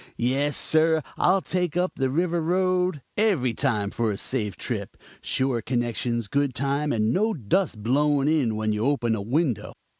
Yes, sir, I'll take the River Road every time for a safe trip, sure connections, good time, and no dust blowing in when you open a window.